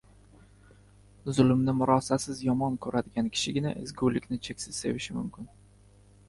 Zulmni murosasiz yomon ko‘radigan kishigina ezgulikni cheksiz sevishi mumkin.